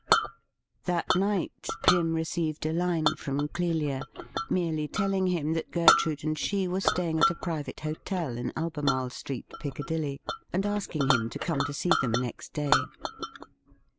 That night Jim received a line from Clelia, merely tell ing him that Gertrude and she were staying at a private hotel in Albemarle Street, Piccadilly, and asking him to come to see them next day.